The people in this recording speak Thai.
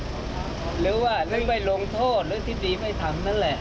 หรือว่าร่วงโทษธิบดีไม่ทำนั่นแหละ